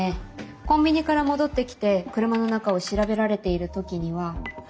コンビニから戻ってきて車の中を調べられている時には。